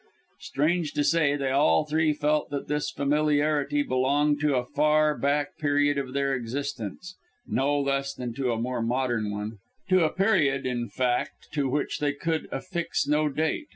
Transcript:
Strange to say, they all three felt that this familiarity belonged to a far back period of their existence, no less than to a more modern one to a period, in fact, to which they could affix no date.